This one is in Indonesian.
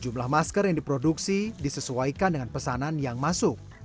jumlah masker yang diproduksi disesuaikan dengan pesanan yang masuk